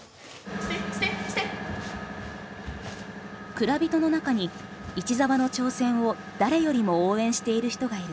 蔵人の中に市澤の挑戦を誰よりも応援している人がいる。